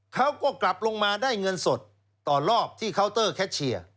เขาก็กลับลงมาได้เงินสดต่อรอบที่เคาน์เตอร์แคชเชียร์